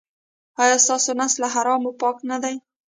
ایا ستاسو نس له حرامو پاک نه دی؟